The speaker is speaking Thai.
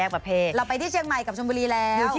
เราไปที่เชียงใหม่กับชนบุรีแล้ว